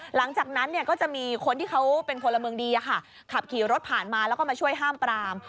หลังจากนั้นก็จะมีคนที่เขาเป็นพลเมืองดีขับขี่รถผ่านมาแล้วก็มาช่วยห้ามปราม